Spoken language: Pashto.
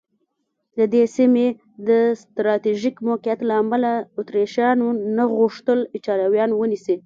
د دې سیمې د سټراټېژیک موقعیت له امله اتریشیانو نه غوښتل ایټالویان ونیسي.